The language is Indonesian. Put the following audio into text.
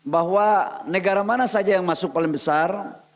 bahwa negara mana saja yang masuk paling besar